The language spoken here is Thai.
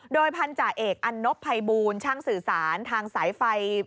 โดยพันธาเอกอันนบภัยบูลช่างสื่อสารทางสายไฟ